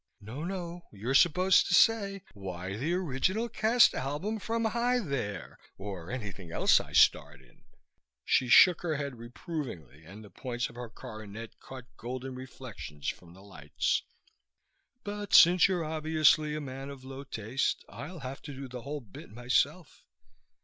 "No, no! You're supposed to say, 'Why, the original cast album from Hi There.' Or anything else I starred in." She shook her head reprovingly, and the points of her coronet caught golden reflections from the lights. "But since you're obviously a man of low taste I'll have to do the whole bit myself."